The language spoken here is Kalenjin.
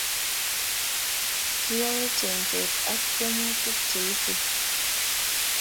Kiyai chengset ak tiemutik cheisubi